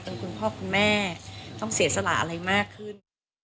คุณพ่อคุณแม่ต้องเสียสละอะไรมากขึ้น